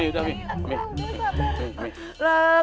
udah umi udah umi